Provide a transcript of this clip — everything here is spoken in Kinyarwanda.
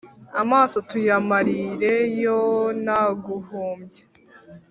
Amaso tuyamarireyo ntaguhumbya